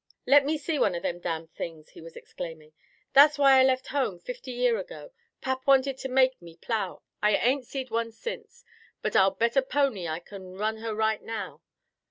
"Let me see one o' them damned things!" he was exclaiming. "That's why I left home fifty year ago. Pap wanted to make me plow! I ain't seed one since, but I'll bet a pony I kin run her right now!